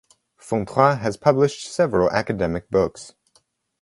Fauntroy has published several academic books.